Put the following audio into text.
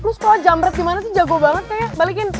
lo sekolah jamret gimana sih jago banget kayaknya balikin